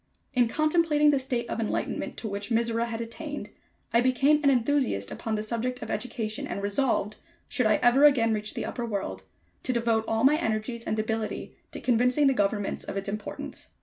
In contemplating the state of enlightenment to which Mizora had attained, I became an enthusiast upon the subject of education, and resolved, should I ever again reach the upper world, to devote all my energies and ability to convincing the governments of its importance.